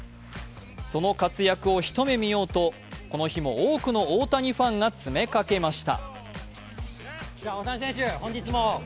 その活躍を一目見ようとこの日も多くの大谷ファンが詰めかけました。